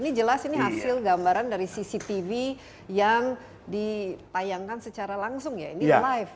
ini jelas ini hasil gambaran dari cctv yang ditayangkan secara langsung ya ini live